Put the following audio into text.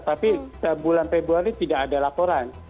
tapi bulan februari tidak ada laporan